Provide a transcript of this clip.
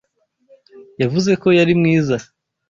Yavuze ko yari mwiza.